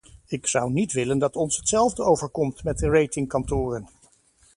Ik zou niet willen dat ons hetzelfde overkomt met de rating-kantoren.